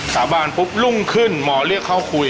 สาบานปุ๊บรุ่งขึ้นหมอเรียกเข้าคุย